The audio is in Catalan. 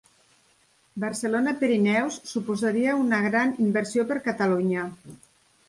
Barcelona-Pirineus suposaria una gran inversió per Catalunya